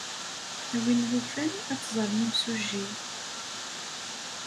A win yufan, ad teẓrem imsujji.